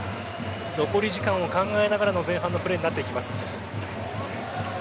残り時間を考えながらの前半のプレーになっていきます。